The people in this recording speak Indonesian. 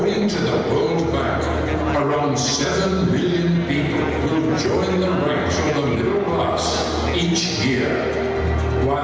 sekitar tujuh juta orang akan bergabung di perusahaan di tengah tengah tahun